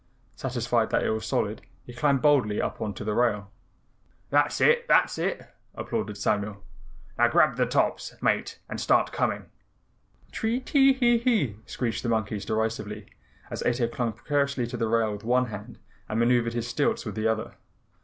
Satisfied that it was solid, he climbed boldly up on the rail. "That's it! That's it!" applauded Samuel. "Now grab the tops, Mate, and start coming." "Chee tree tee hee !" screeched the monkeys derisively as Ato clung precariously to the rail with one hand and maneuvered his stilts with the other.